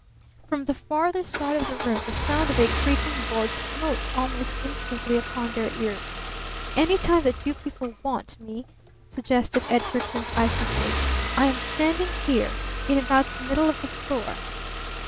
From the farther side of the room the sound of a creaking board smote almost instantly upon their ears. "Any time that you people want me," suggested Edgarton's icy voice, "I am standing here in about the middle of the floor!"